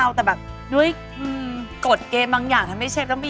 ยำยอดอ่อนทานตะวันทอดกรอบ